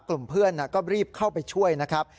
กลุ่มเพื่อนก็รีบเข้าไปช่วยนะครับ